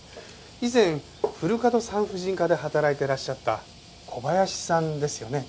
以前古門産婦人科で働いていらっしゃった小林さんですよね？